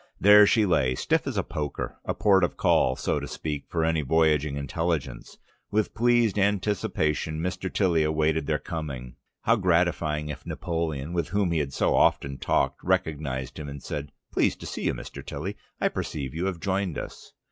There she lay, stiff as a poker, a port of call, so to speak, for any voyaging intelligence. With pleased anticipation Mr. Tilly awaited their coming. How gratifying if Napoleon, with whom he had so often talked, recognised him and said, "Pleased to see you, Mr. Tilly. I perceive you have joined us..."